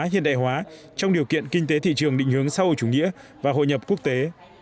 hiện đại hóa trong điều kiện kinh tế thị trường định hướng xã hội chủ nghĩa và hội nhập quốc tế